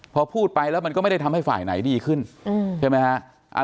พอพูดไปแล้วมันก็ไม่ได้ทำให้ฝ่ายไหนดีขึ้นใช่ไหมฮะ